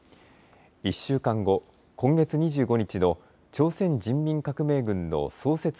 １週間後、今月２５日の朝鮮人民革命軍の創設